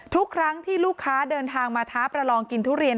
ทุกครั้งที่ลูกค้าเดินทางมาท้าประลองกินทุเรียน